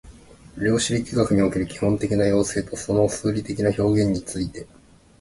量子力学における基本的な要請とその数理的な表現について